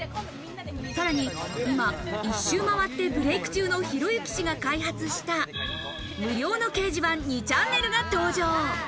さらに今、一周回ってブレーク中のひろゆき氏が開発した、無料の掲示板、２ちゃんねるが登場。